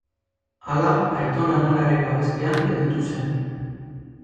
Hala, aitona-amonaren babespean gelditu zen.